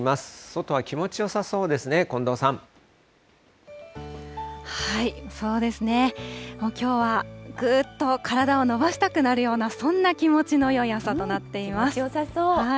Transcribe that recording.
外は気持ちよさそうですね、近藤そうですね、きょうはぐーっと体を伸ばしたくなるような、そんな気持ちのよい気持ちよさそう。